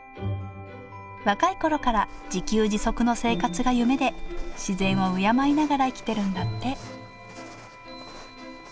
若いころから自給自足の生活が夢で自然を敬いながら生きてるんだって